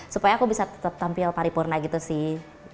supaya aku bisa tetap tampil paripurna gitu sih